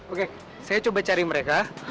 oke saya coba cari mereka